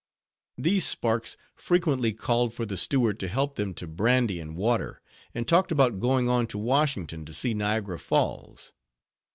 These sparks frequently called for the steward to help them to brandy and water, and talked about going on to Washington, to see Niagara Falls.